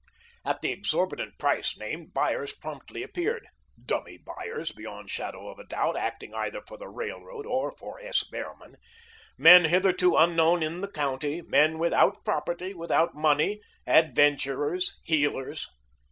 At the exorbitant price named, buyers promptly appeared dummy buyers, beyond shadow of doubt, acting either for the Railroad or for S. Behrman men hitherto unknown in the county, men without property, without money, adventurers, heelers.